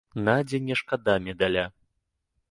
Надзі не шкада медаля.